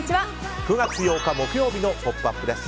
９月８日、木曜日の「ポップＵＰ！」です。